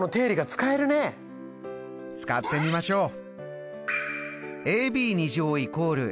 使ってみましょう。